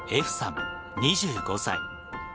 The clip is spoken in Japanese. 歩さん２５歳。